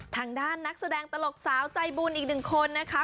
ทางด้านนักแสดงตลกสาวใจบุญอีกหนึ่งคนนะคะ